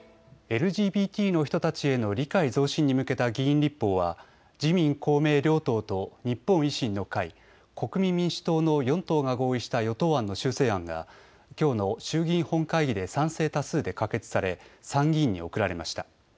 ＬＧＢＴの人たちへの理解増進に向けた議員立法は自民公明両党と日本維新の会、国民民主党の４党が合意した与党案の修正案がきょうの衆議院本会議で賛成多数で可決され参議院に送られました。